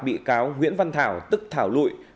bị cáo nguyễn văn thảo tức thảo lụy